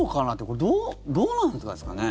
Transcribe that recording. これ、どうなんですかね？